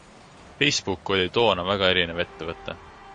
Facebook oli toona väga erinev ettevõte.